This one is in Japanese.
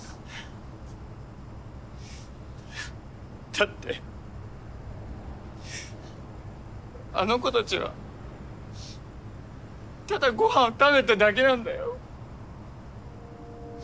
だってあの子たちはただごはんを食べてただけなんだよ。